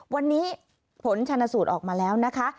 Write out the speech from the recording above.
วันนี้ผลชนะสูตรออกมาแล้ว